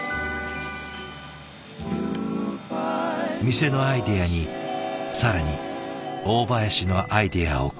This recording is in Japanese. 店のアイデアに更に大林のアイデアを加えながら。